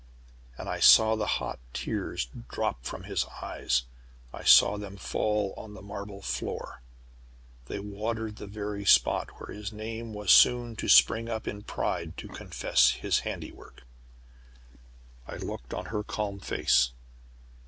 And I saw the hot tears drop from his eyes. I saw them fall on the marble floor, and they watered the very spot where his name was so soon to spring up in pride to confess his handiwork. I looked on her calm face.